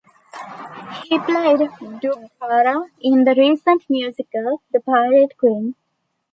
He played Dubhdara in the recent musical The Pirate Queen.